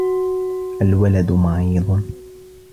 الْوَلَدُ مَرِيضٌ.